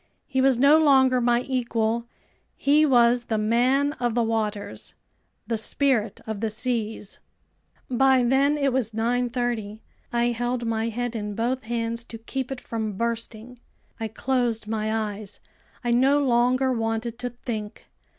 He was no longer my equal, he was the Man of the Waters, the Spirit of the Seas. By then it was 9:30. I held my head in both hands to keep it from bursting. I closed my eyes. I no longer wanted to think.